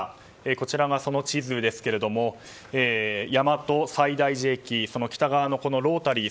こちらがその地図ですが大和西大寺駅の北側のロータリー